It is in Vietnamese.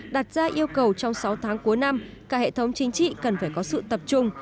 đặt ra yêu cầu trong sáu tháng cuối năm cả hệ thống chính trị cần phải có sự tập trung